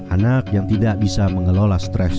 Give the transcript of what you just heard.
anak yang tidak bisa mengelola stres